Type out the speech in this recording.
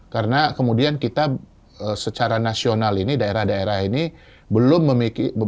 karena kemudian kita secara nasional ini daerah daerah ini belum memikirkan